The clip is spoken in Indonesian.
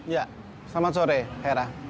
ya selamat sore hera